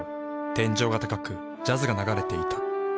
天井が高くジャズが流れていた。